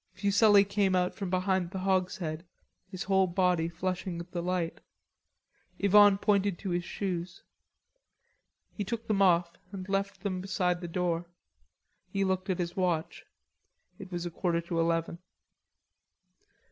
Fuselli came out from behind the hogshead, his whole body flushing with delight. Yvonne pointed to his shoes. He took them off, and left them beside the door. He looked at his watch. It was a quarter to eleven.